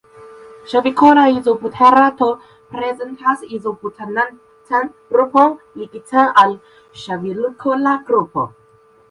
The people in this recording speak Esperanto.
Ŝavikola izobuterato prezentas izobutanatan grupon ligitan al ŝavikola grupo.